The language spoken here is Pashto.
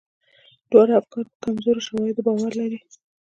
دواړه افکار په کمزورو شواهدو باور لري.